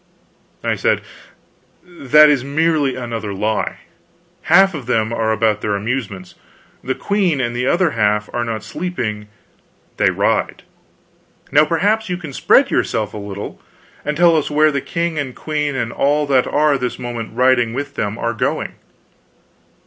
I said: "That is merely another lie. Half of them are about their amusements, the queen and the other half are not sleeping, they ride. Now perhaps you can spread yourself a little, and tell us where the king and queen and all that are this moment riding with them are going?"